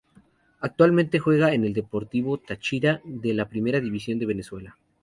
Actualmente juega en el Deportivo Táchira de la Primera División de Venezuela.